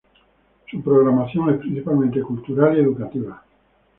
Su programación es principalmente cultural y educativa.